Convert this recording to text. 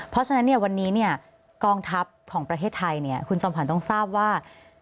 เพราะฉะนั้นเนี่ยวันนี้กองทัพของประเทศไทยเนี่ยคุณจอมขวัญต้องทราบว่า